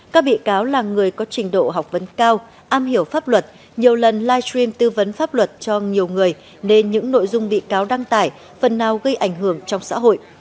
các bị cáo là người có trình độ học vấn cao am hiểu pháp luật nhiều lần live stream tư vấn pháp luật cho nhiều người nên những nội dung bị cáo đăng tải phần nào gây ảnh hưởng trong xã hội